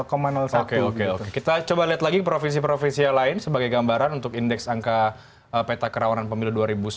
oke oke kita coba lihat lagi provinsi provinsi yang lain sebagai gambaran untuk indeks angka peta kerawanan pemilu dua ribu sembilan belas